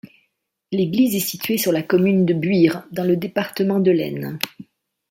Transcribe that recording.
L'église est située sur la commune de Buire, dans le département de l'Aisne.